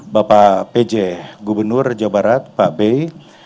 bapak pj gubernur jawa barat pak bey